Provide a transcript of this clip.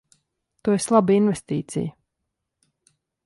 Tu esi laba investīcija.